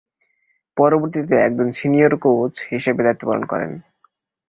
পরবর্তীতে একজন senior coach হিসেবে দায়িত্ব পালন করেন।